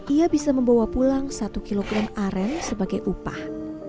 ia bisa membawa pulang satu kilogram aren sebagai upah